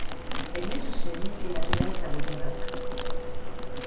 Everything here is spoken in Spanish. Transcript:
Tenía su sede en la ciudad de Kragujevac.